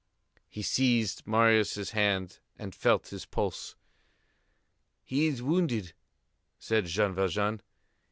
He seized Marius' hand and felt his pulse. "He is wounded," said Jean Valjean.